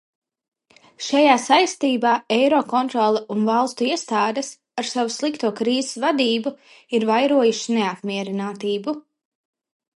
Šajā saistībā Eirokontrole un valstu iestādes ar savu slikto krīzes vadību ir vairojušas neapmierinātību.